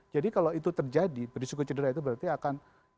jadi kalau itu terjadi berisiko cedera itu berarti akan